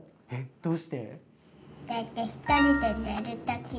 どうして？